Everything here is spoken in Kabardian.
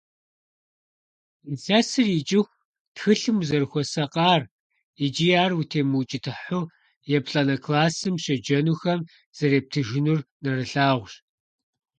Илъэсыр икӀыху тхылъым узэрыхуэсакъар икӀи ар утемыукӀытыхьу еплӀанэ классым щеджэнухэм зэрептыжынур нэрылъагъущ.